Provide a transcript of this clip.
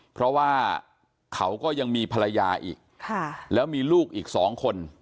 เพราะว่าเขาก็ยังมีภรรยาอีกแล้วมีลูกอีก๒คน